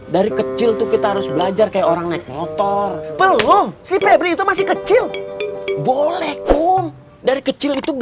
dari kecil tuh kita harus belajar kayak orang naik kecil